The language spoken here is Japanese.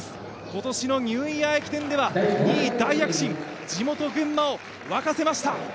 今年のニューイヤー駅伝では２位大躍進、地元・群馬を沸かしました。